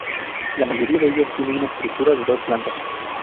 La mayoría de ellos tienen una estructura de dos plantas.